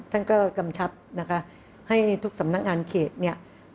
ท่านก็กำชับนะคะให้ทุกสำนักงานเขตเนี่ย